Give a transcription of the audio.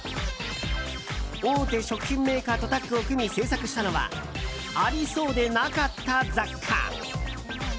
大手食品メーカーとタッグを組み制作したのはありそうでなかった雑貨。